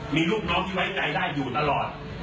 มีลูกน้องที่ไว้ใจได้อยู่ตลอด